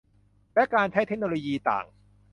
และการใช้เทคโนโลยีต่าง